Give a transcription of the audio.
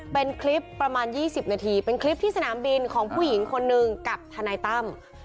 เป็นคลิปประมาณ๒๐นาทีเป็นคลิปที่สนามบินของผู้หญิงคนหนึ่งกับทนายตั้ม